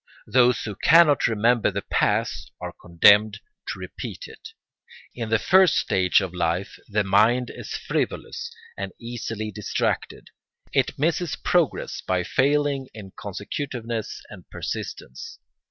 Those who cannot remember the past are condemned to repeat it. In the first stage of life the mind is frivolous and easily distracted; it misses progress by failing in consecutiveness and persistence.